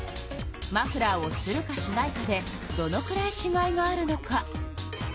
マフラーをするかしないかでどのくらいちがいがあるのか。